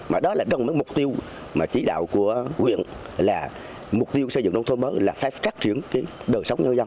mà đó là trong mục tiêu chỉ đạo của huyện là mục tiêu xây dựng nông thôn mới là phát triển đời sống nhân dân